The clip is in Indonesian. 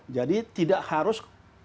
jadi tidak harus